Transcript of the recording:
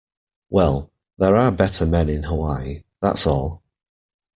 Well, there are better men in Hawaii, that's all.